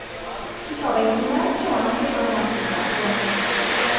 Si trova in commercio anche aromatizzato.